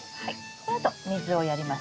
このあと水をやります。